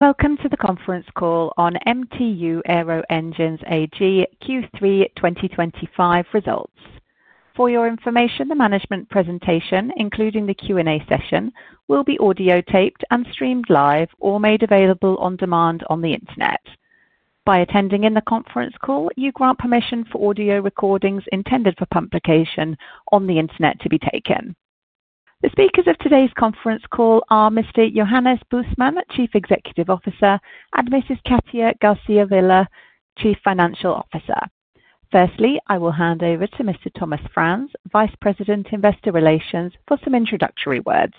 Welcome to the conference call on MTU Aero Engines AG Q3 2025 results. For your information, the management presentation, including the Q&A session, will be audiotaped and streamed live or made available on demand on the internet. By attending in the conference call, you grant permission for audio recordings intended for publication on the internet to be taken. The speakers of today's conference call are Dr. Johannes Bussmann, Chief Executive Officer, and Katja Garcia Vila, Chief Financial Officer. Firstly, I will hand over to Thomas Franz, Vice President, Investor Relations, for some introductory words.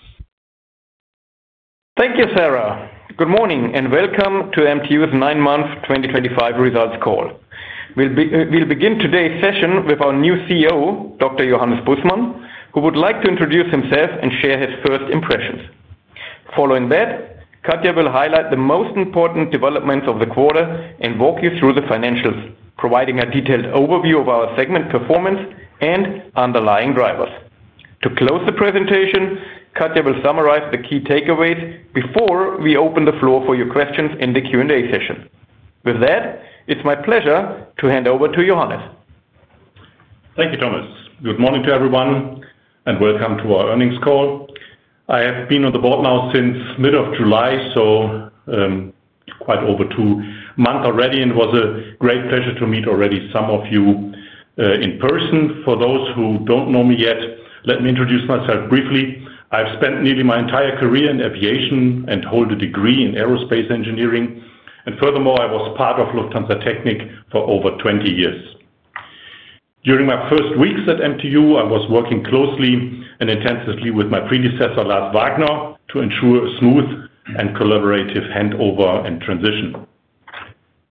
Thank you, Sarah. Good morning and welcome to MTU Aero Engines' nine-month 2025 results call. We'll begin today's session with our new CEO, Dr. Johannes Bussmann, who would like to introduce himself and share his first impressions. Following that, Katja Garcia Vila will highlight the most important developments of the quarter and walk you through the financials, providing a detailed overview of our segment performance and underlying drivers. To close the presentation, Katja will summarize the key takeaways before we open the floor for your questions in the Q&A session. With that, it's my pleasure to hand over to Johannes. Thank you, Thomas. Good morning to everyone and welcome to our earnings call. I have been on the board now since the middle of July, so quite over two months already, and it was a great pleasure to meet already some of you in person. For those who don't know me yet, let me introduce myself briefly. I've spent nearly my entire career in aviation and hold a degree in aerospace engineering. Furthermore, I was part of Lufthansa Technik for over 20 years. During my first weeks at MTU, I was working closely and intensively with my predecessor, Lars Wagner, to ensure a smooth and collaborative handover and transition.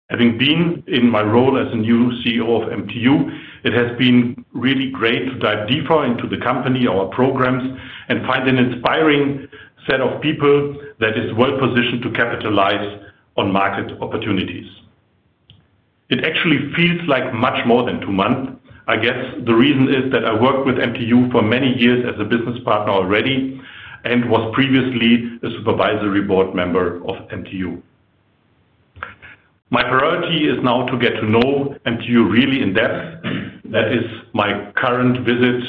Having been in my role as a new CEO of MTU, it has been really great to dive deeper into the company, our programs, and find an inspiring set of people that is well-positioned to capitalize on market opportunities. It actually feels like much more than two months. I guess the reason is that I worked with MTU for many years as a business partner already and was previously a Supervisory Board member of MTU. My priority is now to get to know MTU really in depth. That is my current visit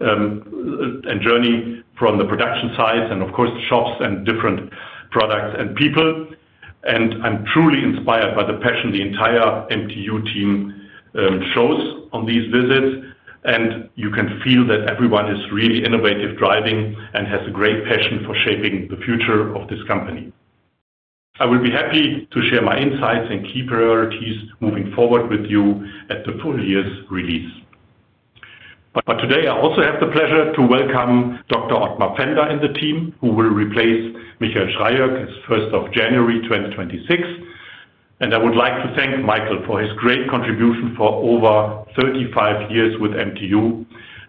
and journey from the production sites and, of course, the shops and different products and people. I'm truly inspired by the passion the entire MTU team shows on these visits, and you can feel that everyone is really innovative, driving, and has a great passion for shaping the future of this company. I will be happy to share my insights and key priorities moving forward with you at the full year's release. Today, I also have the pleasure to welcome Dr. Ottmar Fender in the team, who will replace Michael Schreyögg as of January 1, 2026. I would like to thank Michael for his great contribution for over 35 years with MTU,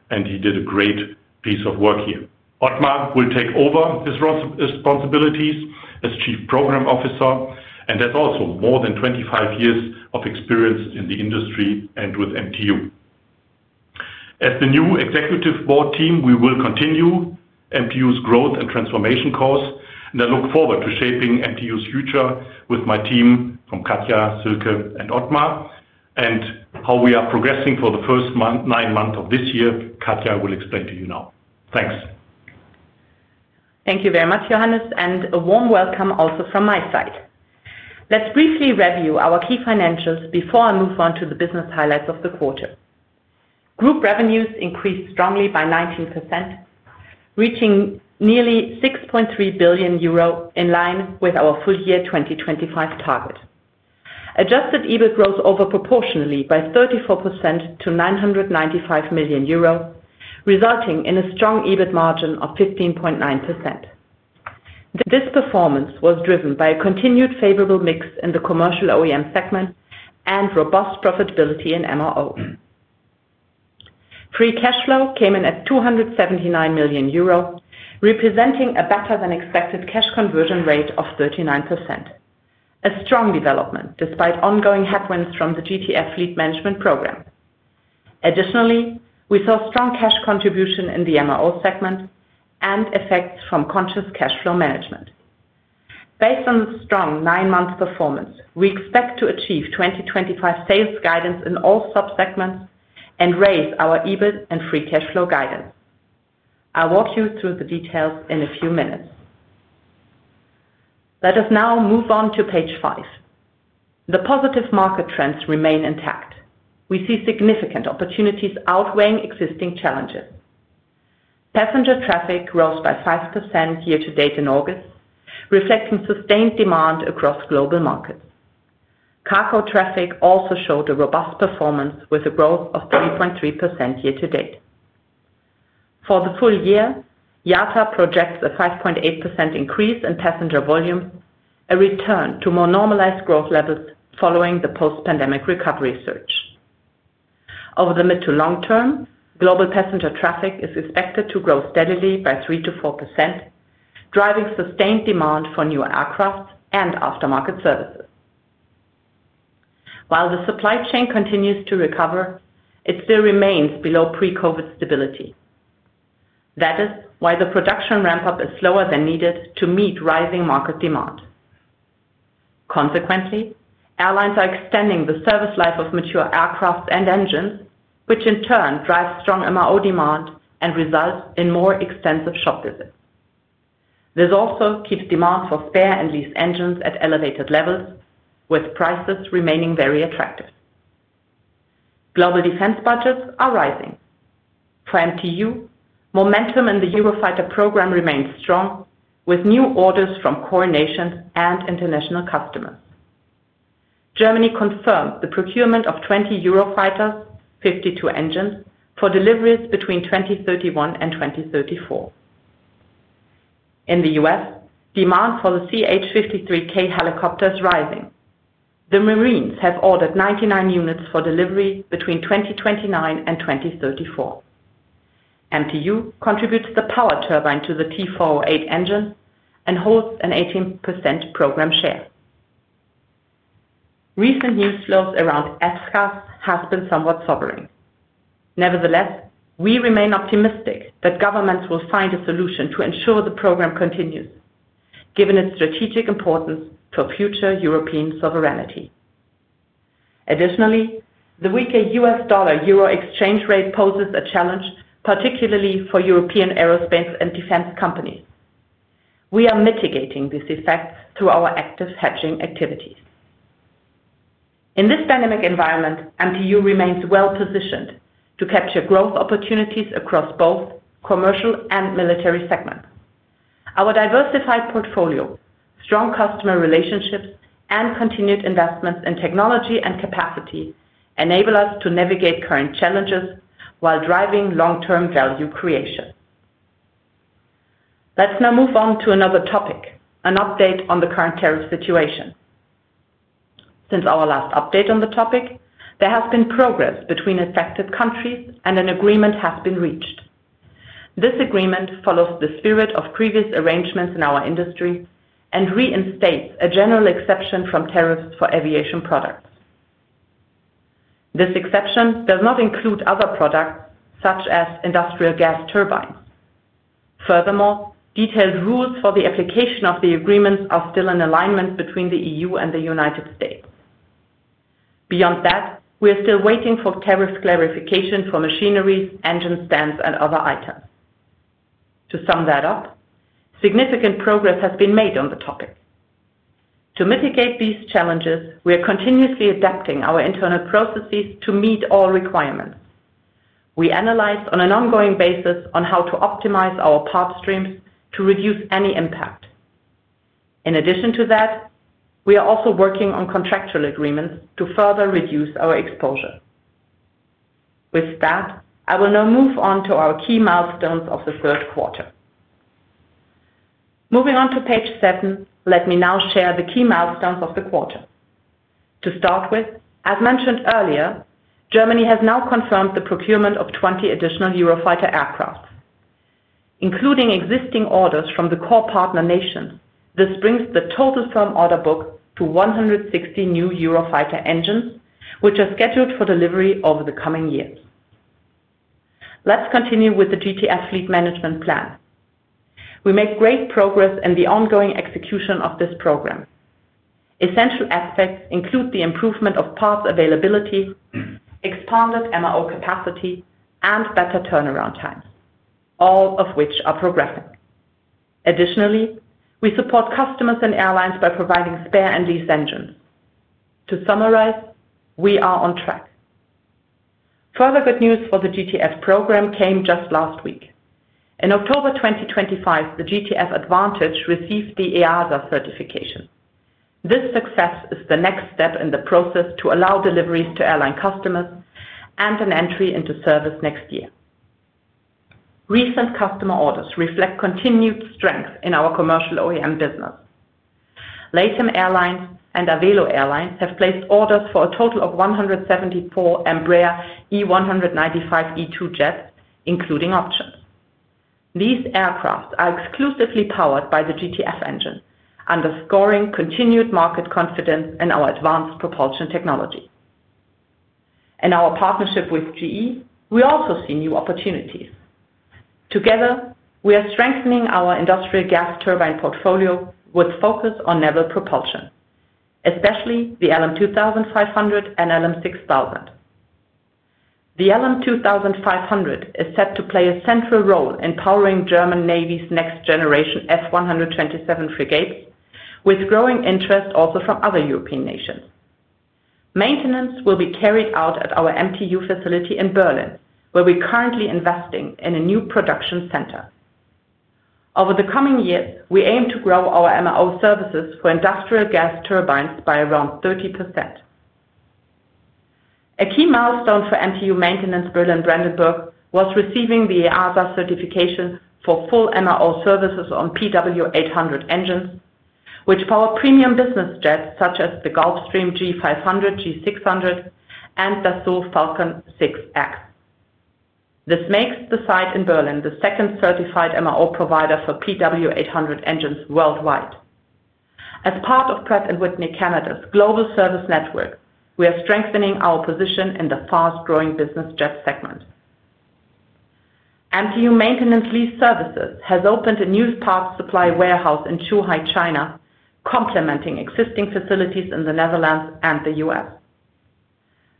and he did a great piece of work here. Ottmar will take over his responsibilities as Chief Program Officer, and has also more than 25 years of experience in the industry and with MTU. As the new Executive Board team, we will continue MTU's growth and transformation course, and I look forward to shaping MTU's future with my team from Katja, Silke, and Ottmar. How we are progressing for the first nine months of this year, Katja will explain to you now. Thanks. Thank you very much, Johannes, and a warm welcome also from my side. Let's briefly review our key financials before I move on to the business highlights of the quarter. Group revenues increased strongly by 19%, reaching nearly €6.3 billion in line with our full year 2025 target. Adjusted EBIT grew over proportionally by 34% to €995 million, resulting in a strong EBIT margin of 15.9%. This performance was driven by a continued favorable mix in the commercial OEM segment and robust profitability in MRO. Free cash flow came in at €279 million, representing a better than expected cash conversion rate of 39%. A strong development despite ongoing headwinds from the GTF fleet management program. Additionally, we saw strong cash contribution in the MRO segment and effects from conscious cash flow management. Based on the strong nine-month performance, we expect to achieve 2025 sales guidance in all subsegments and raise our EBIT and free cash flow guidance. I'll walk you through the details in a few minutes. Let us now move on to page five. The positive market trends remain intact. We see significant opportunities outweighing existing challenges. Passenger traffic rose by 5% year to date in August, reflecting sustained demand across global markets. Cargo traffic also showed a robust performance with a growth of 3.3% year to date. For the full year, IATA projects a 5.8% increase in passenger volume, a return to more normalized growth levels following the post-pandemic recovery surge. Over the mid to long term, global passenger traffic is expected to grow steadily by 3% to 4%, driving sustained demand for new aircraft and aftermarket services. While the supply chain continues to recover, it still remains below pre-COVID stability. That is why the production ramp-up is slower than needed to meet rising market demand. Consequently, airlines are extending the service life of mature aircraft and engines, which in turn drives strong MRO demand and results in more extensive shop visits. This also keeps demand for spare and lease engines at elevated levels, with prices remaining very attractive. Global defense budgets are rising. For MTU, momentum in the Eurofighter program remains strong, with new orders from core nations and international customers. Germany confirmed the procurement of 20 Eurofighters, 52 engines, for deliveries between 2031 and 2034. In the U.S., demand for the CH-53K helicopter is rising. The Marines have ordered 99 units for delivery between 2029 and 2034. MTU contributes the power turbine to the T-408 engine and holds an 18% program share. Recent news flows around FCAS have been somewhat sobering. Nevertheless, we remain optimistic that governments will find a solution to ensure the program continues, given its strategic importance for future European sovereignty. Additionally, the weaker U.S. dollar euro exchange rate poses a challenge, particularly for European aerospace and defense companies. We are mitigating these effects through our active hedging activities. In this pandemic environment, MTU remains well-positioned to capture growth opportunities across both commercial and military segments. Our diversified portfolio, strong customer relationships, and continued investments in technology and capacity enable us to navigate current challenges while driving long-term value creation. Let's now move on to another topic, an update on the current tariff situation. Since our last update on the topic, there has been progress between affected countries and an agreement has been reached. This agreement follows the spirit of previous arrangements in our industry and reinstates a general exception from tariffs for aviation products. This exception does not include other products such as industrial gas turbines. Furthermore, detailed rules for the application of the agreements are still in alignment between the EU and the United States. Beyond that, we are still waiting for tariff clarification for machineries, engine stands, and other items. To sum that up, significant progress has been made on the topic. To mitigate these challenges, we are continuously adapting our internal processes to meet all requirements. We analyze on an ongoing basis how to optimize our part streams to reduce any impact. In addition to that, we are also working on contractual agreements to further reduce our exposure. With that, I will now move on to our key milestones of the third quarter. Moving on to page seven, let me now share the key milestones of the quarter. To start with, as mentioned earlier, Germany has now confirmed the procurement of 20 additional Eurofighter aircraft. Including existing orders from the core partner nations, this brings the total firm order book to 160 new Eurofighter engines, which are scheduled for delivery over the coming years. Let's continue with the GTF fleet management plan. We make great progress in the ongoing execution of this program. Essential aspects include the improvement of parts availability, expanded MRO capacity, and better turnaround times, all of which are progressing. Additionally, we support customers and airlines by providing spare and lease engines. To summarize, we are on track. Further good news for the GTF program came just last week. In October 2023, the GTF Advantage received the EASA certification. This success is the next step in the process to allow deliveries to airline customers and an entry into service next year. Recent customer orders reflect continued strength in our commercial OEM business. LATAM Airlines and Avelo Airlines have placed orders for a total of 174 Embraer E195-E2 jets, including options. These aircraft are exclusively powered by the GTF engine, underscoring continued market confidence in our advanced propulsion technology. In our partnership with GE, we also see new opportunities. Together, we are strengthening our industrial gas turbine portfolio with focus on naval propulsion, especially the LM2500 and LM6000. The LM2500 is set to play a central role in powering the German Navy's next generation F127 frigates, with growing interest also from other European nations. Maintenance will be carried out at our MTU facility in Berlin, where we are currently investing in a new production center. Over the coming years, we aim to grow our MRO services for industrial gas turbines by around 30%. A key milestone for MTU Maintenance Berlin-Brandenburg was receiving the EASA certification for full MRO services on PW800 engines, which power premium business jets such as the Gulfstream G500, G600, and the Dassault Falcon 6X. This makes the site in Berlin the second certified MRO provider for PW800 engines worldwide. As part of Pratt & Whitney Canada's global service network, we are strengthening our position in the fast-growing business jet segment. MTU Maintenance Lease Services has opened a new parts supply warehouse in Zhuhai, China, complementing existing facilities in the Netherlands and the U.S.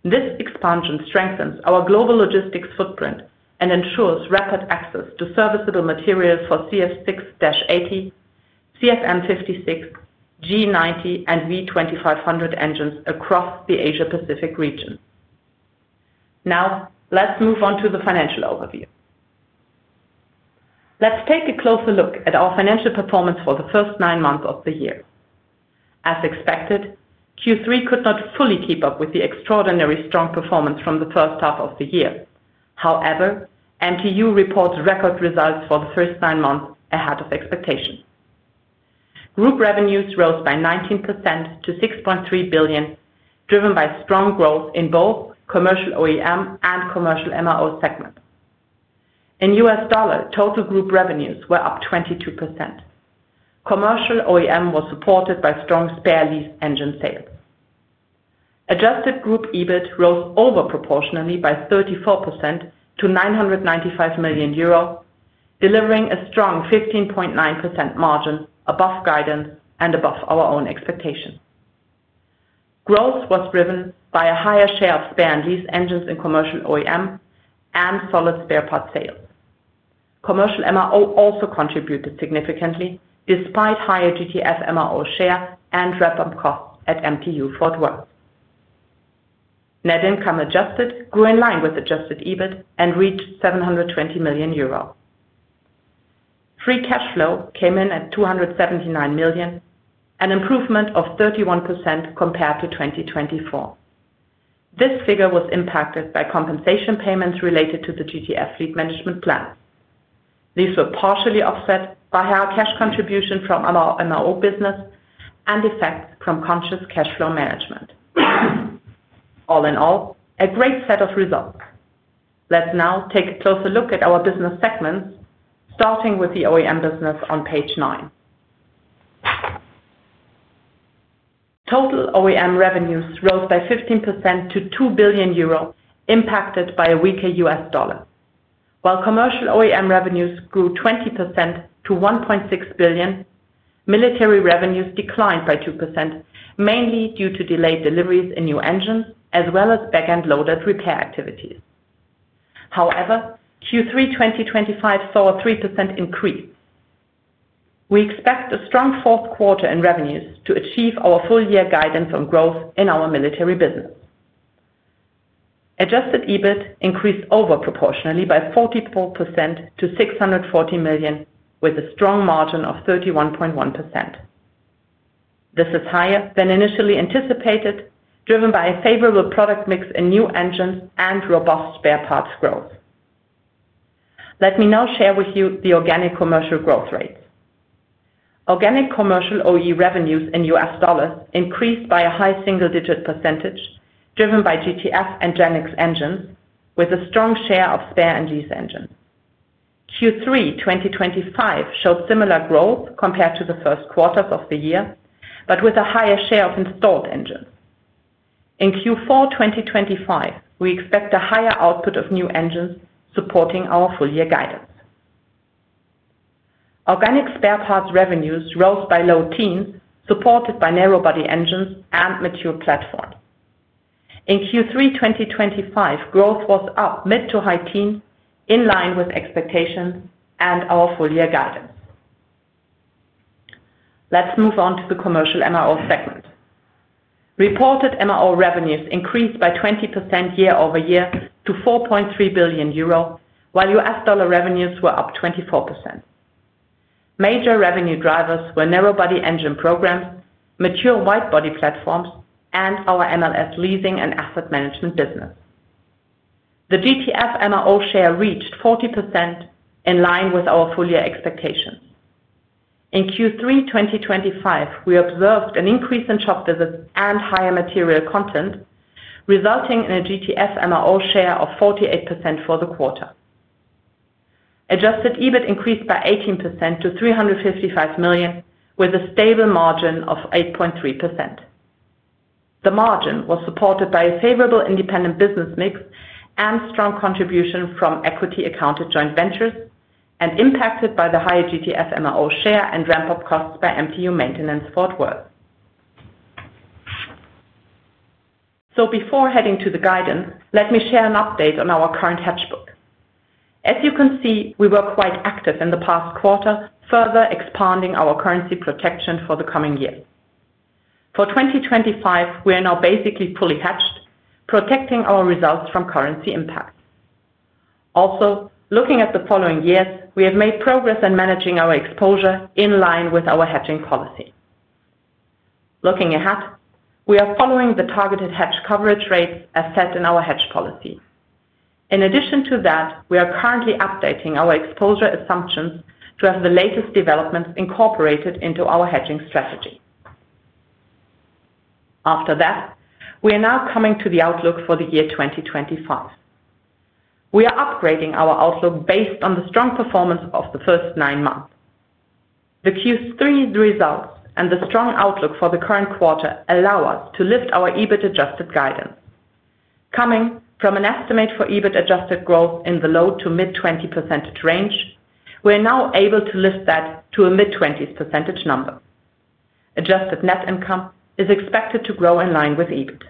This expansion strengthens our global logistics footprint and ensures rapid access to serviceable materials for CF6-80, CFM56, GE90, and V2500 engines across the Asia-Pacific region. Now, let's move on to the financial overview. Let's take a closer look at our financial performance for the first nine months of the year. As expected, Q3 could not fully keep up with the extraordinarily strong performance from the first half of the year. However, MTU reports record results for the first nine months ahead of expectation. Group revenues rose by 19% to €6.3 billion, driven by strong growth in both commercial OEM and commercial MRO segments. In U.S. dollar, total group revenues were up 22%. Commercial OEM was supported by strong spare and lease engine sales. Adjusted group EBIT rose over proportionally by 34% to €995 million, delivering a strong 15.9% margin above guidance and above our own expectations. Growth was driven by a higher share of spare and lease engines in commercial OEM and solid spare part sales. Commercial MRO also contributed significantly despite higher GTF MRO share and revamp costs at MTU Fort Worth. Net income adjusted grew in line with adjusted EBIT and reached €720 million. Free cash flow came in at €279 million, an improvement of 31% compared to 2024. This figure was impacted by compensation payments related to the GTF fleet management plan. These were partially offset by higher cash contribution from our MRO business and effects from conscious cash flow management. All in all, a great set of results. Let's now take a closer look at our business segments, starting with the OEM business on page nine. Total OEM revenues rose by 15% to €2 billion, impacted by a weaker U.S. dollar. While commercial OEM revenues grew 20% to €1.6 billion, military revenues declined by 2%, mainly due to delayed deliveries in new engines, as well as backend loaded repair activities. However, Q3 2025 saw a 3% increase. We expect a strong fourth quarter in revenues to achieve our full year guidance on growth in our military business. Adjusted EBIT increased over proportionally by 44% to €640 million, with a strong margin of 31.1%. This is higher than initially anticipated, driven by a favorable product mix in new engines and robust spare parts growth. Let me now share with you the organic commercial growth rates. Organic commercial OE revenues in U.S. dollars increased by a high single-digit percentage, driven by GTF and GEnx engines, with a strong share of spare and lease engines. Q3 2025 showed similar growth compared to the first quarters of the year, but with a higher share of installed engines. In Q4 2025, we expect a higher output of new engines supporting our full year guidance. Organic spare parts revenues rose by low teens, supported by narrowbody engines and mature platforms. In Q3 2025, growth was up mid to high teens, in line with expectations and our full year guidance. Let's move on to the commercial MRO segment. Reported MRO revenues increased by 20% year-over-year to €4.3 billion, while U.S. dollar revenues were up 24%. Major revenue drivers were narrowbody engine programs, mature widebody platforms, and our MLS leasing and asset management business. The GTF MRO share reached 40% in line with our full year expectations. In Q3 2025, we observed an increase in shop visits and higher material content, resulting in a GTF MRO share of 48% for the quarter. Adjusted EBIT increased by 18% to €355 million, with a stable margin of 8.3%. The margin was supported by a favorable independent business mix and strong contribution from equity-accounted joint ventures, and impacted by the higher GTF MRO share and ramp-up costs by MTU Maintenance Fort Worth. Before heading to the guidance, let me share an update on our current hedgebook. As you can see, we were quite active in the past quarter, further expanding our currency protection for the coming year. For 2025, we are now basically fully hedged, protecting our results from currency impacts. Also, looking at the following years, we have made progress in managing our exposure in line with our hedging policy. Looking ahead, we are following the targeted hedge coverage rates as set in our hedge policy. In addition to that, we are currently updating our exposure assumptions to have the latest developments incorporated into our hedging strategy. After that, we are now coming to the outlook for the year 2025. We are upgrading our outlook based on the strong performance of the first nine months. The Q3 results and the strong outlook for the current quarter allow us to lift our EBIT adjusted guidance. Coming from an estimate for EBIT adjusted growth in the low to mid-20% range, we are now able to lift that to a mid-20% number. Adjusted net income is expected to grow in line with EBIT.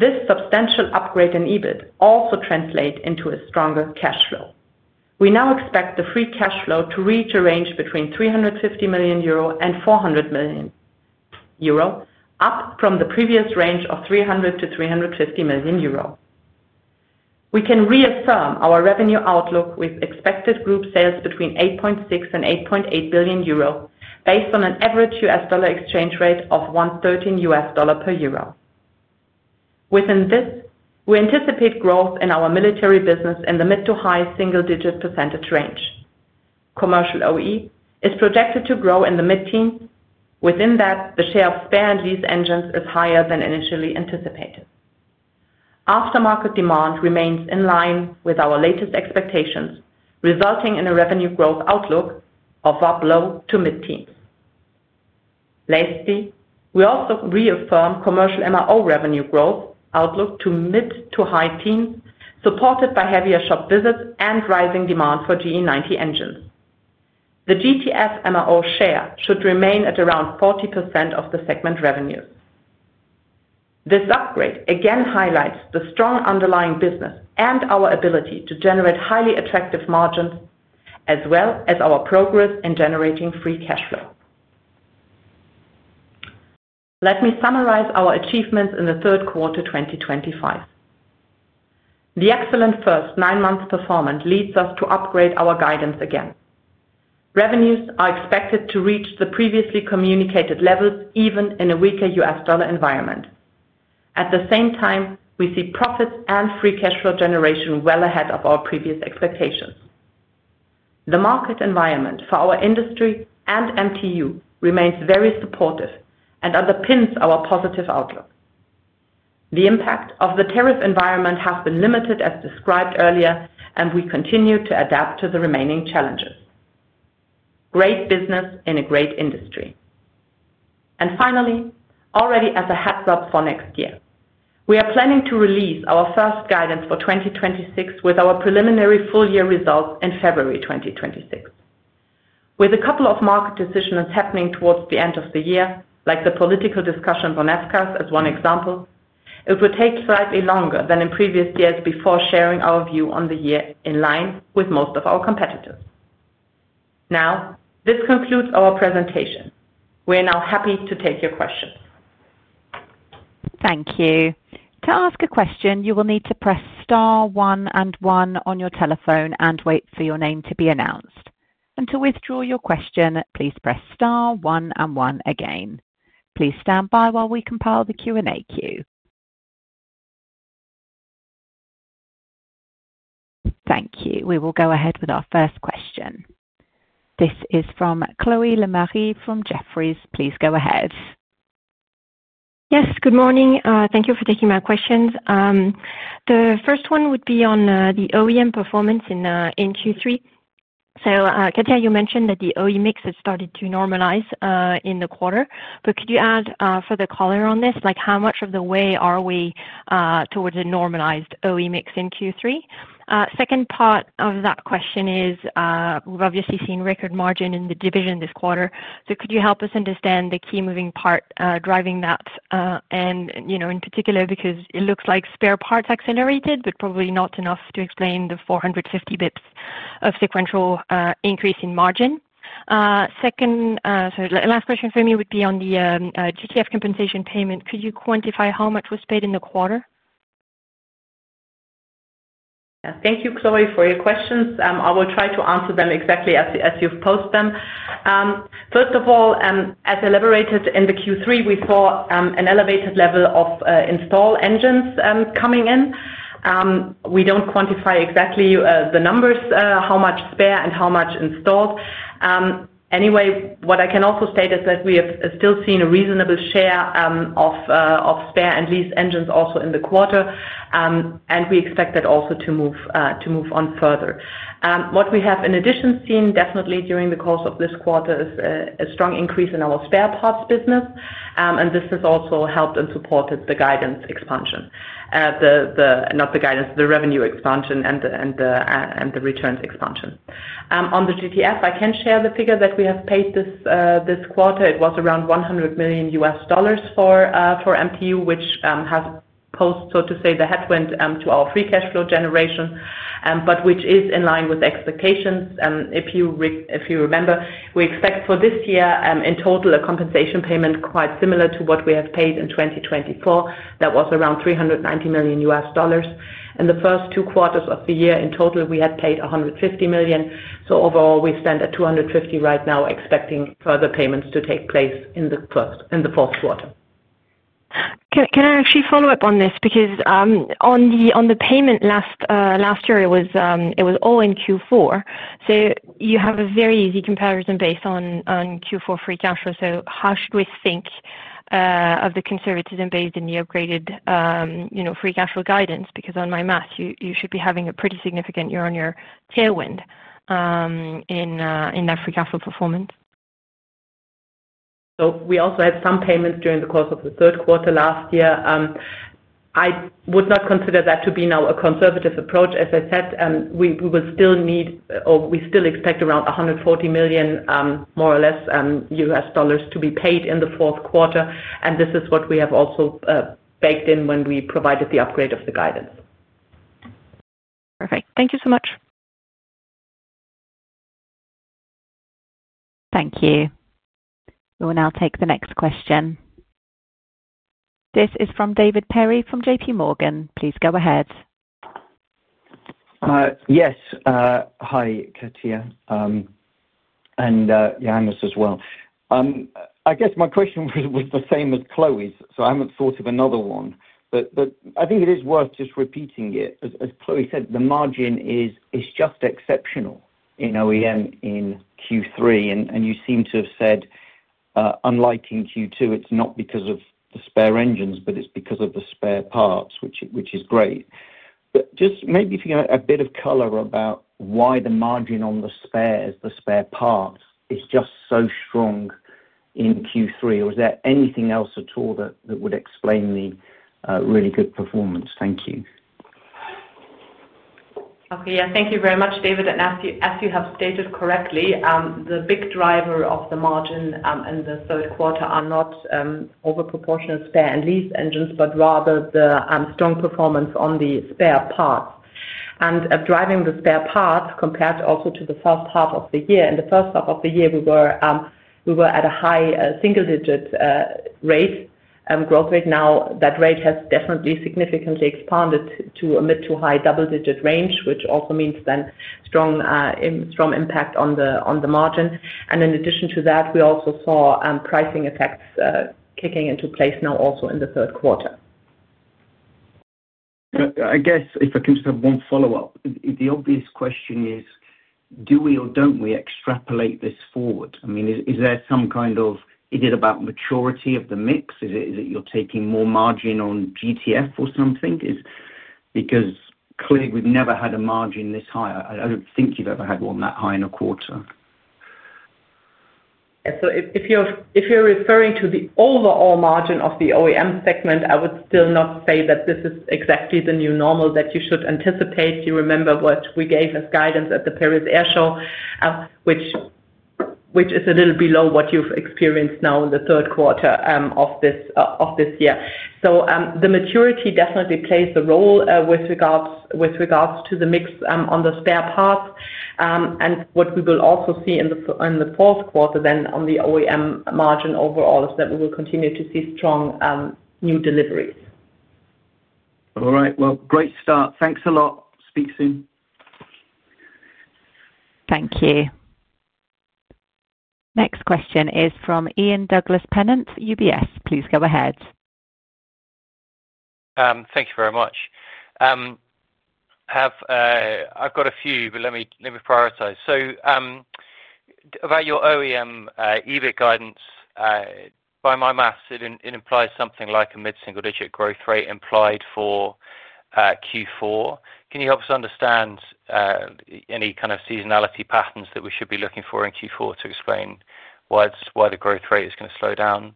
This substantial upgrade in EBIT also translates into a stronger cash flow. We now expect the free cash flow to reach a range between €350 million and €400 million, up from the previous range of €300 million-€350 million. We can reaffirm our revenue outlook with expected group sales between €8.6 billion and €8.8 billion, based on an average U.S. dollar exchange rate of $1.13 per euro. Within this, we anticipate growth in our military business in the mid to high single-digit % range. Commercial OEM is projected to grow in the mid-teens. Within that, the share of spare and lease engines is higher than initially anticipated. Aftermarket demand remains in line with our latest expectations, resulting in a revenue growth outlook of up low to mid-teens. Lastly, we also reaffirm commercial MRO revenue growth outlook to mid to high teens, supported by heavier shop visits and rising demand for GE90 engines. The GTF MRO share should remain at around 40% of the segment revenues. This upgrade again highlights the strong underlying business and our ability to generate highly attractive margins, as well as our progress in generating free cash flow. Let me summarize our achievements in the third quarter 2025. The excellent first nine-month performance leads us to upgrade our guidance again. Revenues are expected to reach the previously communicated levels, even in a weaker U.S. dollar environment. At the same time, we see profits and free cash flow generation well ahead of our previous expectations. The market environment for our industry and MTU Aero Engines remains very supportive and underpins our positive outlook. The impact of the tariff environment has been limited, as described earlier, and we continue to adapt to the remaining challenges. Great business in a great industry. Finally, already as a heads up for next year, we are planning to release our first guidance for 2026 with our preliminary full year results in February 2026. With a couple of market decisions happening towards the end of the year, like the political discussion on FCAS as one example, it would take slightly longer than in previous years before sharing our view on the year in line with most of our competitors. This concludes our presentation. We are now happy to take your questions. Thank you. To ask a question, you will need to press star one and one on your telephone and wait for your name to be announced. To withdraw your question, please press star one and one again. Please stand by while we compile the Q&A queue. Thank you. We will go ahead with our first question. This is from Chloe Lemarie from Jefferies. Please go ahead. Yes, good morning. Thank you for taking my questions. The first one would be on the OEM performance in Q3. Katja, you mentioned that the OE mix has started to normalize in the quarter, but could you add further color on this? Like how much of the way are we towards a normalized OE mix in Q3? The second part of that question is, we've obviously seen record margin in the division this quarter. Could you help us understand the key moving part driving that? In particular, because it looks like spare parts accelerated, but probably not enough to explain the 450 bps of sequential increase in margin. The last question for me would be on the GTF compensation payment. Could you quantify how much was paid in the quarter? Yeah, thank you, Chloe, for your questions. I will try to answer them exactly as you've posed them. First of all, as elaborated in the Q3, we saw an elevated level of installed engines coming in. We don't quantify exactly the numbers, how much spare and how much installed. Anyway, what I can also state is that we have still seen a reasonable share of spare and lease engines also in the quarter, and we expect that also to move on further. What we have in addition seen definitely during the course of this quarter is a strong increase in our spare parts business, and this has also helped and supported the guidance expansion, not the guidance, the revenue expansion and the returns expansion. On the GTF, I can share the figure that we have paid this quarter. It was around $100 million for MTU, which has posed, so to say, the headwind to our free cash flow generation, but which is in line with expectations. If you remember, we expect for this year in total a compensation payment quite similar to what we have paid in 2024. That was around $390 million. In the first two quarters of the year in total, we had paid $150 million. Overall, we stand at $250 million right now, expecting further payments to take place in the fourth quarter. Can I actually follow up on this? Because on the payment last year, it was all in Q4. You have a very easy comparison based on Q4 free cash flow. How should we think of the conservatism based in the upgraded free cash flow guidance? On my math, you should be having a pretty significant year-on-year tailwind in that free cash flow performance. We also had some payments during the course of the third quarter last year. I would not consider that to be now a conservative approach. As I said, we will still need, or we still expect around $140 million, more or less, to be paid in the fourth quarter. This is what we have also baked in when we provided the upgrade of the guidance. Perfect. Thank you so much. Thank you. We will now take the next question. This is from David Perry from JPMorgan. Please go ahead. Yes. Hi, Katja. And Johannes as well. I guess my question was the same as Chloe's, so I haven't thought of another one. I think it is worth just repeating it. As Chloe said, the margin is just exceptional in OEM in Q3. You seem to have said, unlike in Q2, it's not because of the spare engines, but it's because of the spare parts, which is great. Maybe if you can have a bit of color about why the margin on the spares, the spare parts, is just so strong in Q3, or is there anything else at all that would explain the really good performance? Thank you. Thank you very much, David. As you have stated correctly, the big driver of the margin in the third quarter are not over-proportional spare and lease engines, but rather the strong performance on the spare parts. Driving the spare parts compared also to the first half of the year, in the first half of the year, we were at a high single-digit % growth rate. Now that rate has definitely significantly expanded to a mid to high double-digit % range, which also means strong impact on the margin. In addition to that, we also saw pricing effects kicking into place now also in the third quarter. I guess if I can just have one follow-up. The obvious question is, do we or don't we extrapolate this forward? I mean, is there some kind of, is it about maturity of the mix? Is it you're taking more margin on GTF or something? Because clearly, we've never had a margin this high. I don't think you've ever had one that high in a quarter. If you're referring to the overall margin of the OEM segment, I would still not say that this is exactly the new normal that you should anticipate. You remember what we gave as guidance at the Paris Air Show, which is a little below what you've experienced now in the third quarter of this year. The maturity definitely plays a role with regards to the mix on the spare parts, and what we will also see in the fourth quarter on the OEM margin overall is that we will continue to see strong new deliveries. All right, great start. Thanks a lot. Speak soon. Thank you. Next question is from Ian Douglas-Pennant, UBS. Please go ahead. Thank you very much. I've got a few, but let me prioritize. About your OEM EBIT guidance, by my math, it implies something like a mid-single-digit growth rate implied for Q4. Can you help us understand any kind of seasonality patterns that we should be looking for in Q4 to explain why the growth rate is going to slow down?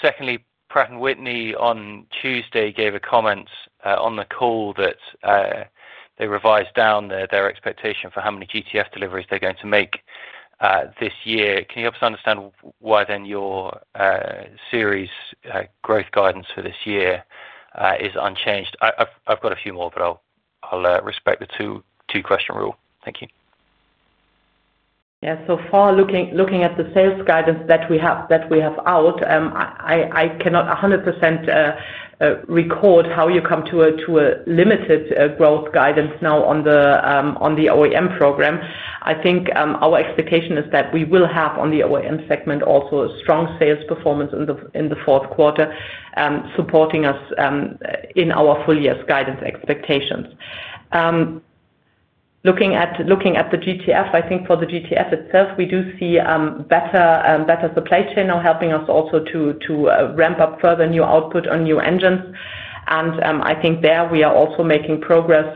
Secondly, Pratt & Whitney on Tuesday gave a comment on the call that they revised down their expectation for how many GTF deliveries they're going to make this year. Can you help us understand why then your series growth guidance for this year is unchanged? I've got a few more, but I'll respect the two-question rule. Thank you. Yeah, so far looking at the sales guidance that we have out, I cannot 100% record how you come to a limited growth guidance now on the OEM program. I think our expectation is that we will have on the OEM segment also a strong sales performance in the fourth quarter, supporting us in our full year's guidance expectations. Looking at the GTF, I think for the GTF itself, we do see better supply chain now helping us also to ramp up further new output on new engines. I think there we are also making progress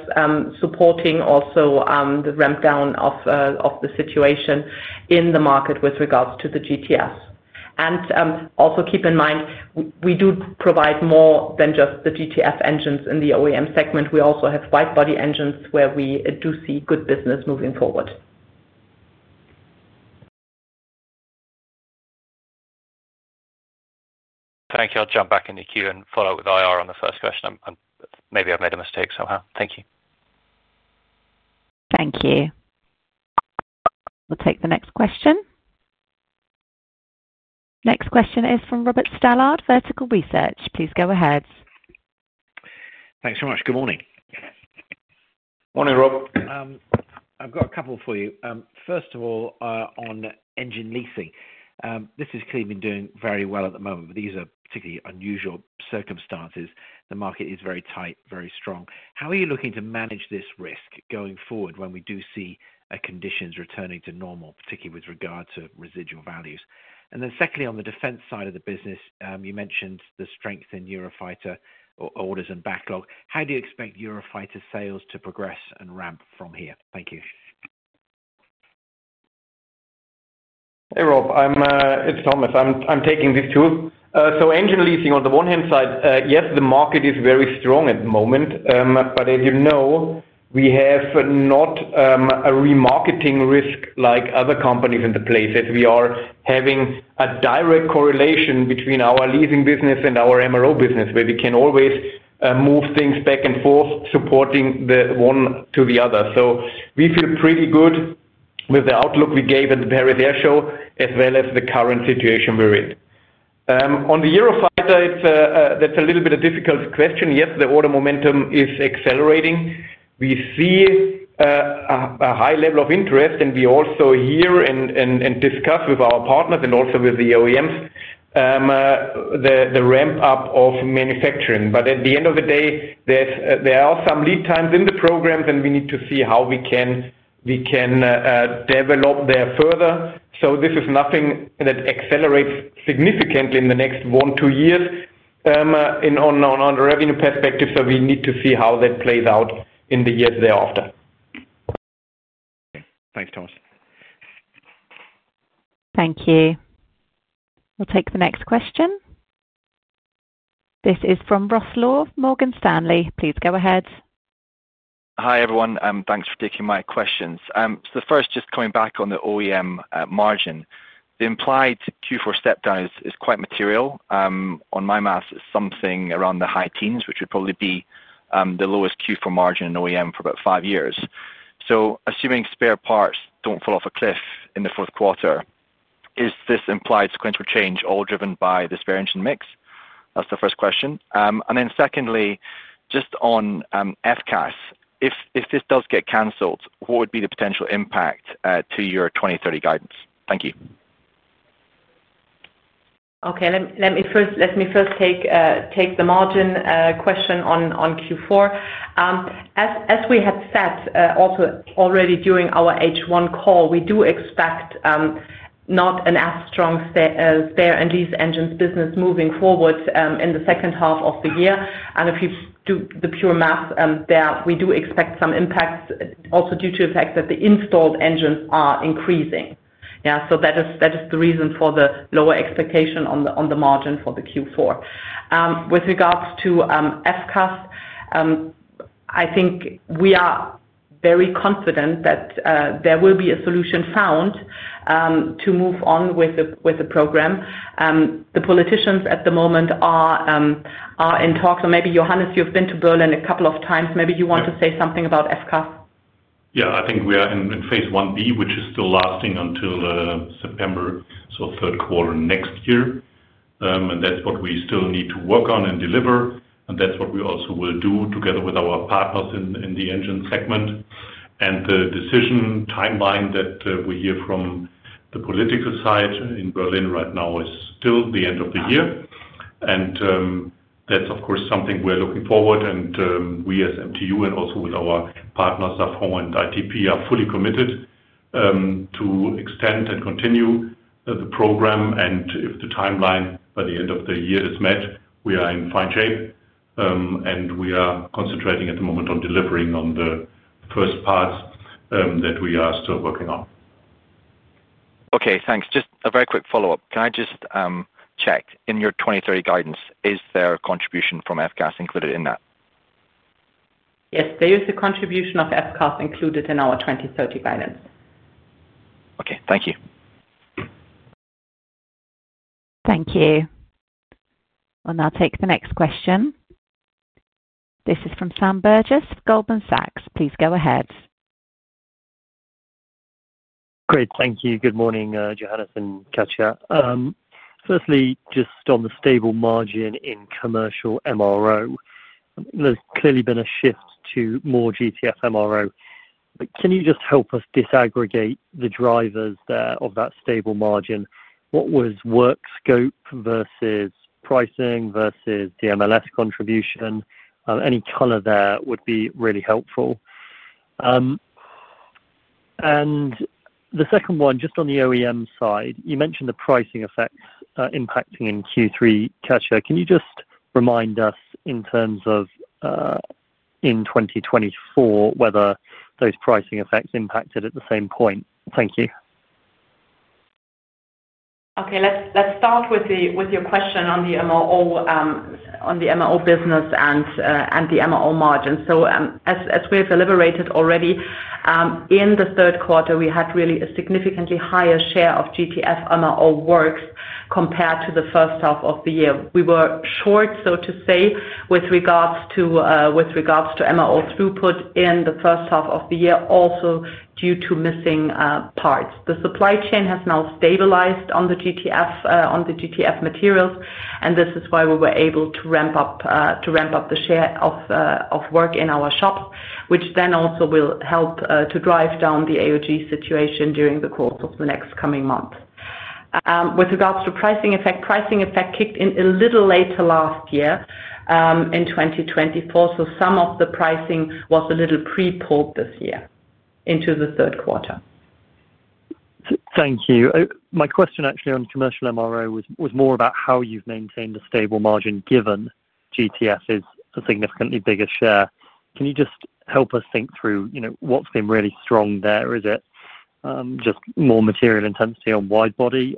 supporting also the ramp down of the situation in the market with regards to the GTF. Also keep in mind, we do provide more than just the GTF engines in the OEM segment. We also have wide body engines where we do see good business moving forward. Thank you. I'll jump back into queue and follow up with IR on the first question. Maybe I've made a mistake somehow. Thank you. Thank you. We'll take the next question. Next question is from Robert Stallard, Vertical Research. Please go ahead. Thanks very much. Good morning. Morning, Rob. I've got a couple for you. First of all, on engine leasing, this has clearly been doing very well at the moment, but these are particularly unusual circumstances. The market is very tight, very strong. How are you looking to manage this risk going forward when we do see conditions returning to normal, particularly with regard to residual values? Secondly, on the defense side of the business, you mentioned the strength in Eurofighter orders and backlog. How do you expect Eurofighter sales to progress and ramp from here? Thank you. Hey, Rob. It's Thomas. I'm taking this too. Engine leasing on the one-hand side, yes, the market is very strong at the moment. As you know, we have not a remarketing risk like other companies in the places. We are having a direct correlation between our leasing business and our MRO business, where we can always move things back and forth, supporting the one to the other. We feel pretty good with the outlook we gave at the Paris Air Show, as well as the current situation we're in. On the Eurofighter, that's a little bit of a difficult question. Yes, the order momentum is accelerating. We see a high level of interest, and we also hear and discuss with our partners and also with the OEMs the ramp-up of manufacturing. At the end of the day, there are some lead times in the programs, and we need to see how we can develop there further. This is nothing that accelerates significantly in the next one, two years on a revenue perspective. We need to see how that plays out in the years thereafter. Okay. Thanks, Thomas. Thank you. We'll take the next question. This is from Ross Law, Morgan Stanley. Please go ahead. Hi, everyone. Thanks for taking my questions. First, just coming back on the OEM margin, the implied Q4 stepdown is quite material. On my math, it's something around the high teens, which would probably be the lowest Q4 margin in OEM for about five years. Assuming spare parts don't fall off a cliff in the fourth quarter, is this implied sequential change all driven by the spare engine mix? That's the first question. Secondly, just on FCAS, if this does get canceled, what would be the potential impact to your 2030 guidance? Thank you. Okay, let me first take the margin question on Q4. As we had said also already during our H1 call, we do expect not an as strong spare and lease engines business moving forward in the second half of the year. If we do the pure math there, we do expect some impacts also due to the fact that the installed engines are increasing. That is the reason for the lower expectation on the margin for Q4. With regards to FCAS, I think we are very confident that there will be a solution found to move on with the program. The politicians at the moment are in talks. Maybe, Johannes, you've been to Berlin a couple of times. Maybe you want to say something about FCAS? I think we are in phase 1B, which is still lasting until September, so third quarter next year. That's what we still need to work on and deliver. That's what we also will do together with our partners in the engine segment. The decision timeline that we hear from the political side in Berlin right now is still the end of the year. That's, of course, something we're looking forward to. We as MTU and also with our partners Safran and ITP are fully committed to extend and continue the program. If the timeline by the end of the year is met, we are in fine shape. We are concentrating at the moment on delivering on the first parts that we are still working on. Okay, thanks. Just a very quick follow-up. Can I just check in your 2030 guidance, is there a contribution from FCAS included in that? Yes, there is a contribution of FCAS included in our 2030 guidance. Okay, thank you. Thank you. We'll now take the next question. This is from Sam Burgess of Goldman Sachs. Please go ahead. Great, thank you. Good morning, Johannes and Katja. Firstly, just on the stable margin in commercial MRO, there's clearly been a shift to more GTF MRO. Can you just help us disaggregate the drivers there of that stable margin? What was work scope versus pricing versus the MLS contribution? Any color there would be really helpful. The second one, just on the OEM side, you mentioned the pricing effects impacting in Q3. Katja, can you just remind us in terms of in 2024 whether those pricing effects impacted at the same point? Thank you. Okay, let's start with your question on the MRO business and the MRO margin. As we have deliberated already, in the third quarter, we had really a significantly higher share of GTF MRO works compared to the first half of the year. We were short, so to say, with regards to MRO throughput in the first half of the year, also due to missing parts. The supply chain has now stabilized on the GTF materials, and this is why we were able to ramp up the share of work in our shops, which then also will help to drive down the AOG situation during the course of the next coming month. With regards to pricing effect, pricing effect kicked in a little later last year in 2024. Some of the pricing was a little pre-pulled this year into the third quarter. Thank you. My question actually on commercial MRO was more about how you've maintained a stable margin given GTF is a significantly bigger share. Can you just help us think through what's been really strong there? Is it just more material intensity on wide body?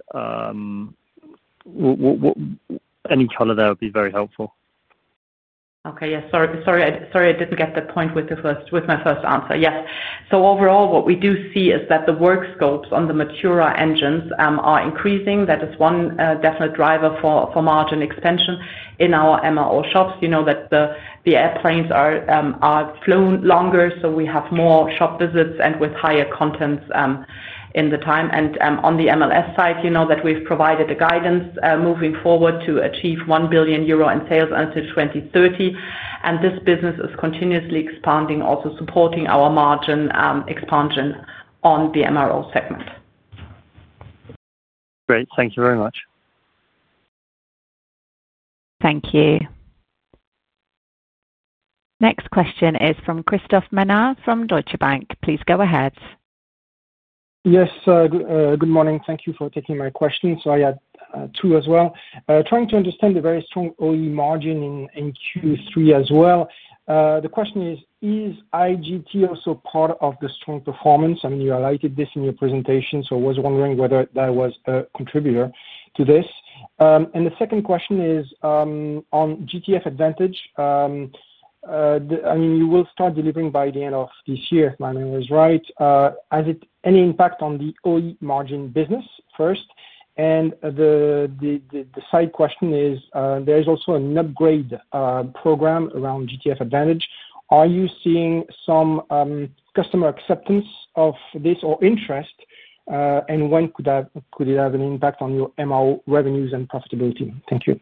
Any color there would be very helpful. Sorry, I didn't get the point with my first answer. Yes, overall, what we do see is that the work scopes on the mature engines are increasing. That is one definite driver for margin expansion in our MRO shops. You know that the airplanes are flown longer, so we have more shop visits with higher contents in the time. On the MLS side, you know that we've provided the guidance moving forward to achieve €1 billion in sales until 2030. This business is continuously expanding, also supporting our margin expansion on the MRO segment. Great, thank you very much. Thank you. Next question is from Christophe Menard from Deutsche Bank. Please go ahead. Yes, good morning. Thank you for taking my question. I had two as well. Trying to understand the very strong OE margin in Q3 as well. The question is, is IGT also part of the strong performance? You highlighted this in your presentation, so I was wondering whether that was a contributor to this. The second question is on GTF Advantage. You will start delivering by the end of this year, if my memory is right. Has it any impact on the OE margin business first? The side question is, there is also an upgrade program around GTF Advantage. Are you seeing some customer acceptance of this or interest? When could it have an impact on your MRO revenues and profitability? Thank you.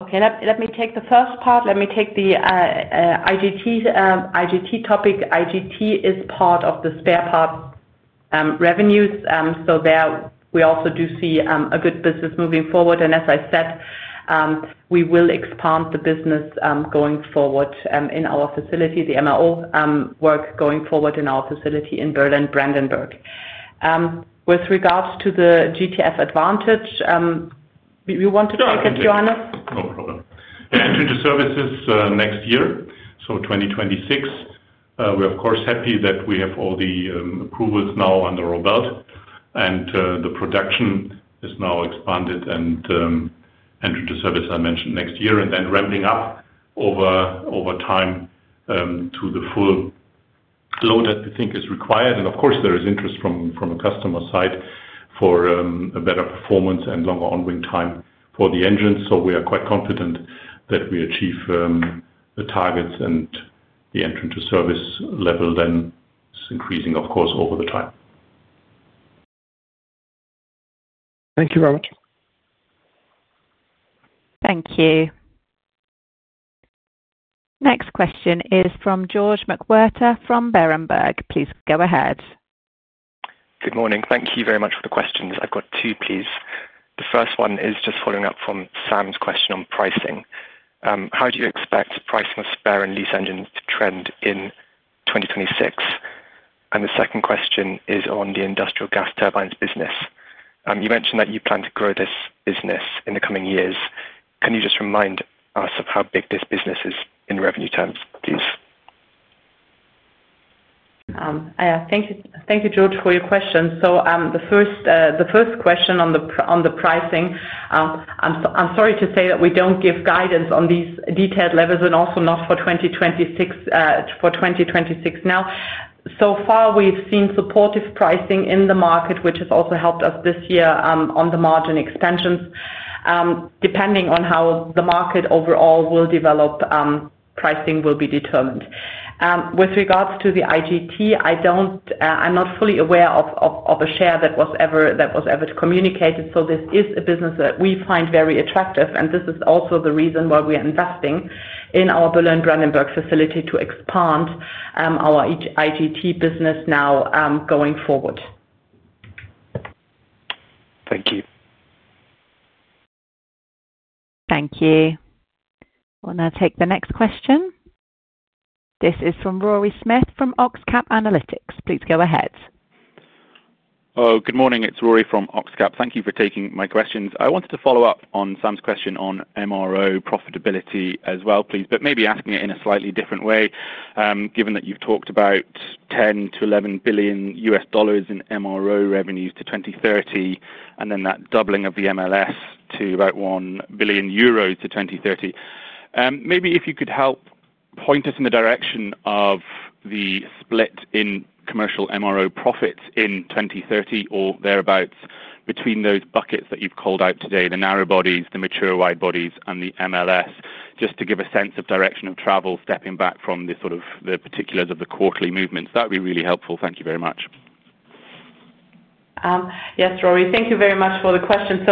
Okay, let me take the first part. Let me take the IGT topic. IGT is part of the spare part revenues. There, we also do see a good business moving forward. As I said, we will expand the business going forward in our facility, the MRO work going forward in our facility in Berlin-Brandenburg. With regards to the GTF Advantage, we want to take it, Johannes. No problem. The entry to services next year, so 2026. We're happy that we have all the approvals now under our belt. The production is now expanded and entry to service, I mentioned, next year, then ramping up over time to the full load that we think is required. There is interest from a customer side for a better performance and longer ongoing time for the engines. We are quite confident that we achieve the targets and the entry to service level then is increasing, of course, over the time. Thank you very much. Thank you. Next question is from George McWhirter from Berenberg. Please go ahead. Good morning. Thank you very much for the questions. I've got two, please. The first one is just following up from Sam's question on pricing. How do you expect pricing of spare and lease engines to trend in 2026? The second question is on the industrial gas turbines business. You mentioned that you plan to grow this business in the coming years. Can you just remind us of how big this business is in revenue terms, please? Thank you, George, for your question. The first question on the pricing, I'm sorry to say that we don't give guidance on these detailed levels and also not for 2026 now. So far, we've seen supportive pricing in the market, which has also helped us this year on the margin expansions. Depending on how the market overall will develop, pricing will be determined. With regards to the IGT, I'm not fully aware of a share that was ever communicated. This is a business that we find very attractive. This is also the reason why we are investing in our Berlin-Brandenburg facility to expand our IGT business now going forward. Thank you. Thank you. We'll now take the next question. This is from Rory Smith from OxCap Analytics. Please go ahead. Good morning. It's Rory from OxCap. Thank you for taking my questions. I wanted to follow up on Sam's question on MRO profitability as well, please, but maybe asking it in a slightly different way, given that you've talked about $10 billion- $11 billion in MRO revenues to 2030 and then that doubling of the MLS to about €1 billion to 2030. Maybe if you could help point us in the direction of the split in commercial MRO profits in 2030 or thereabouts between those buckets that you've called out today, the narrow bodies, the mature wide bodies, and the MLS, just to give a sense of direction of travel stepping back from the sort of the particulars of the quarterly movements. That would be really helpful. Thank you very much. Yes, Rory, thank you very much for the question.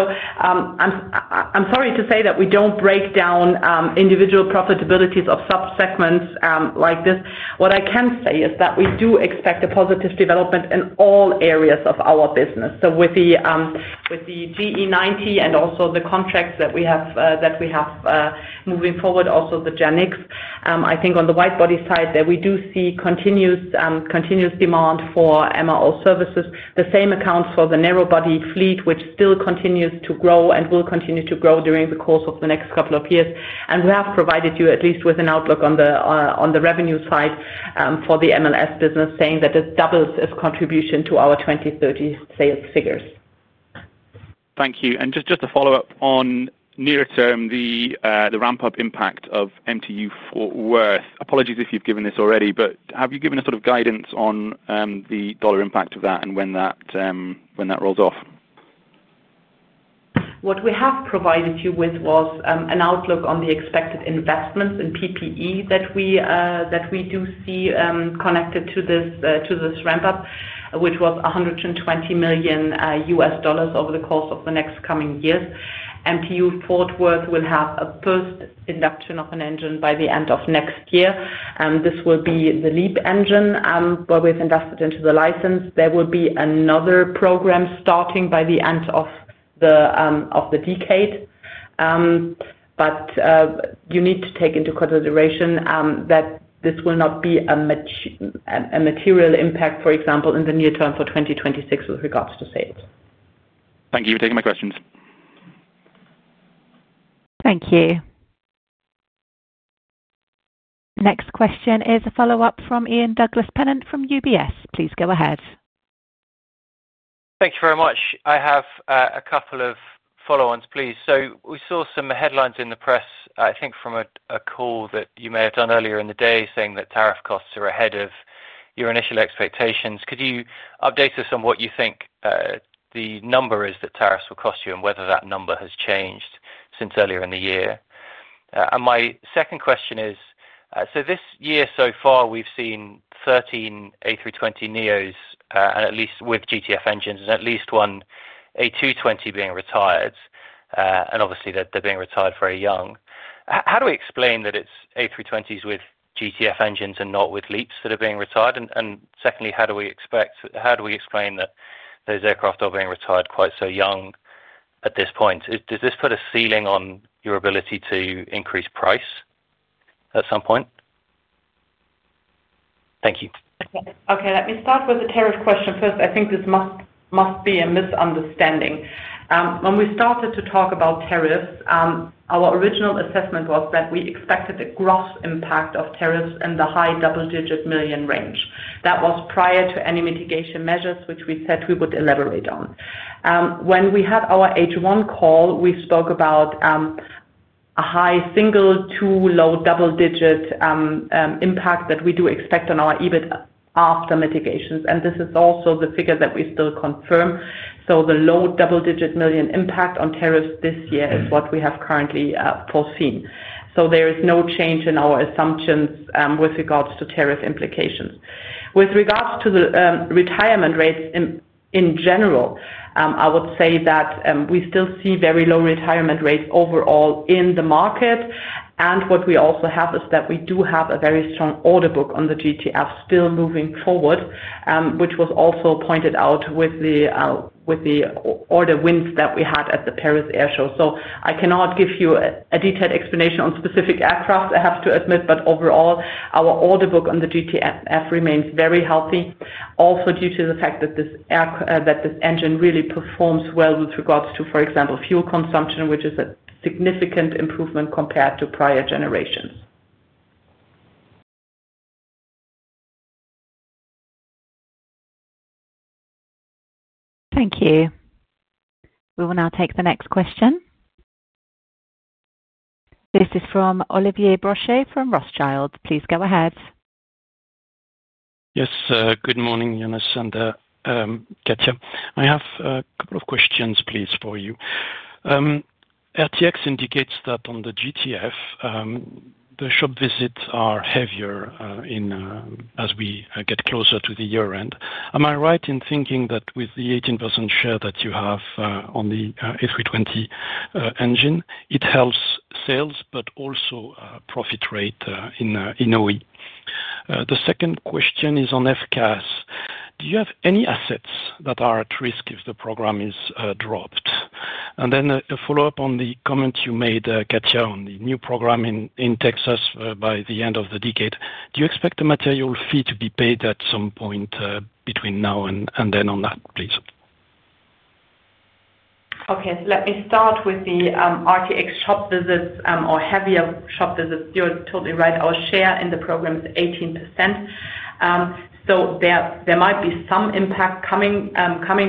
I'm sorry to say that we don't break down individual profitabilities of subsegments like this. What I can say is that we do expect a positive development in all areas of our business. With the GE90 and also the contracts that we have moving forward, also the GEnx, I think on the wide body side that we do see continuous demand for MRO services. The same accounts for the narrow body fleet, which still continues to grow and will continue to grow during the course of the next couple of years. We have provided you at least with an outlook on the revenue side for the MLS business, saying that it doubles its contribution to our 2030 sales figures. Thank you. Just a follow-up on nearer term, the ramp-up impact of MTU Fort Worth. Apologies if you've given this already, but have you given a sort of guidance on the dollar impact of that and when that rolls off? What we have provided you with was an outlook on the expected investments in PPE that we do see connected to this ramp-up, which was $120 million over the course of the next coming years. MTU Fort Worth will have a first induction of an engine by the end of next year. This will be the LEAP engine where we've invested into the license. There will be another program starting by the end of the decade. You need to take into consideration that this will not be a material impact, for example, in the near term for 2026 with regards to sales. Thank you for taking my questions. Thank you. Next question is a follow-up from Ian Douglas-Pennant from UBS. Please go ahead. Thank you very much. I have a couple of follow-ons, please. We saw some headlines in the press, I think from a call that you may have done earlier in the day, saying that tariff costs are ahead of your initial expectations. Could you update us on what you think the number is that tariffs will cost you and whether that number has changed since earlier in the year? My second question is, this year so far, we've seen 13 A320neos with GTF engines and at least one A220 being retired. Obviously, they're being retired very young. How do we explain that it's A320s with GTF engines and not with LEAPs that are being retired? Secondly, how do we explain that those aircraft are being retired quite so young at this point? Does this put a ceiling on your ability to increase price at some point? Thank you. Okay, let me start with the tariff question first. I think this must be a misunderstanding. When we started to talk about tariffs, our original assessment was that we expected the gross impact of tariffs in the high double-digit million range. That was prior to any mitigation measures, which we said we would elaborate on. When we had our H1 call, we spoke about a high single to low double-digit impact that we do expect on our EBIT after mitigations. This is also the figure that we still confirm. The low double-digit million impact on tariffs this year is what we have currently foreseen. There is no change in our assumptions with regards to tariff implications. With regards to the retirement rates in general, I would say that we still see very low retirement rates overall in the market. What we also have is that we do have a very strong order book on the GTF still moving forward, which was also pointed out with the order wins that we had at the Paris Air Show. I cannot give you a detailed explanation on specific aircraft, I have to admit, but overall, our order book on the GTF remains very healthy, also due to the fact that this engine really performs well with regards to, for example, fuel consumption, which is a significant improvement compared to prior generations. Thank you. We will now take the next question. This is from Olivier Brochet from Rothschild. Please go ahead. Yes, good morning, Johannes and Katja. I have a couple of questions, please, for you. RTX indicates that on the GTF, the shop visits are heavier as we get closer to the year-end. Am I right in thinking that with the 18% share that you have on the A320 engine, it helps sales, but also profit rate in OE? The second question is on FCAS. Do you have any assets that are at risk if the program is dropped? A follow-up on the comment you made, Katja, on the new program in Texas by the end of the decade. Do you expect the material fee to be paid at some point between now and then on that, please? Okay, let me start with the RTX shop visits or heavier shop visits. You're totally right. Our share in the program is 18%. There might be some impact coming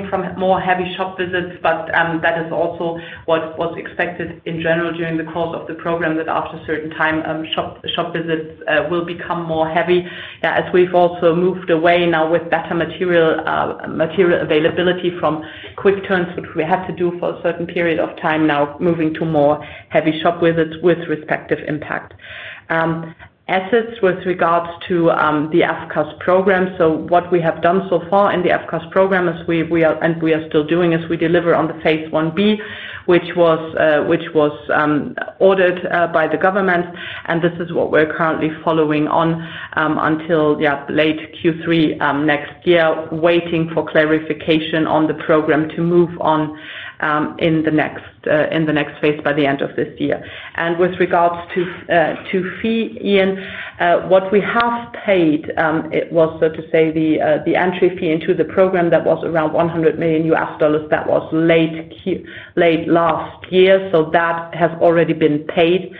from more heavy shop visits, but that is also what was expected in general during the course of the program, that after a certain time, shop visits will become more heavy. As we've also moved away now with better material availability from quick turns, which we had to do for a certain period of time, now moving to more heavy shop visits with respective impact. Assets with regards to the FCAS program. What we have done so far in the FCAS program, and we are still doing, is we deliver on the phase 1B, which was ordered by the government. This is what we're currently following on until, yeah, late Q3 next year, waiting for clarification on the program to move on in the next phase by the end of this year. With regards to fee, Ian, what we have paid was, so to say, the entry fee into the program that was around $100 million. That was late last year. That has already been paid.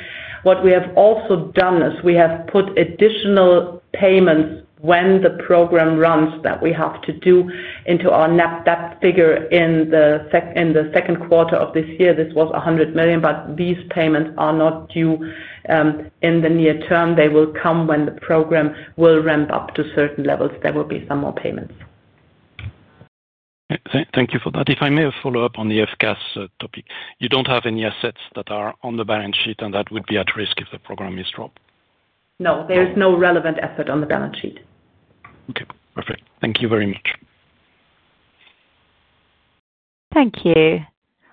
What we have also done is we have put additional payments when the program runs that we have to do into our NAP. That figure in the second quarter of this year, this was $100 million, but these payments are not due in the near term. They will come when the program will ramp up to certain levels. There will be some more payments. Thank you for that. If I may follow up on the FCAS topic, you don't have any assets that are on the balance sheet, and that would be at risk if the program is dropped? No, there is no relevant asset on the balance sheet. Okay, perfect. Thank you very much. Thank you.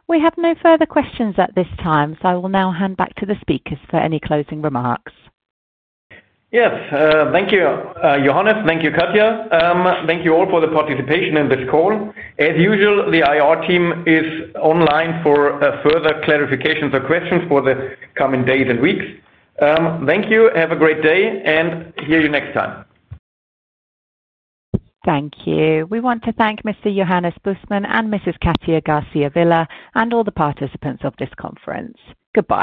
We have no further questions at this time. I will now hand back to the speakers for any closing remarks. Yes, thank you, Johannes. Thank you, Katja. Thank you all for the participation in this call. As usual, the IR team is online for further clarifications or questions for the coming days and weeks. Thank you. Have a great day and hear you next time. Thank you. We want to thank Dr. Johannes Bussmann and Ms. Katja Garcia Vila and all the participants of this conference. Goodbye.